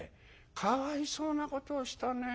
かわいそうなことをしたね。